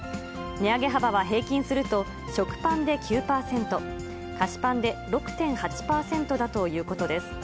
値上げ幅は平均すると食パンで９％、菓子パンで６．８％だということです。